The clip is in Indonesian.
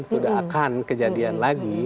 sudah akan kejadian lagi